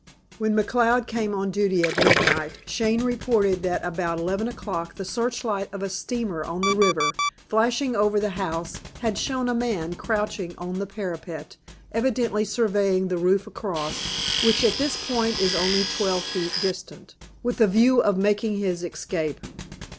"When McCloud came on duty at midnight, Shane reported that about eleven o'clock the searchlight of a steamer on the river, flashing over the house, had shown a man crouching on the parapet, evidently surveying the roof across, which at this point is only twelve feet distant, with a view of making his escape.